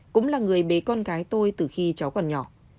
cũng là người bế con gái tôi từ khi cháu còn nhỏ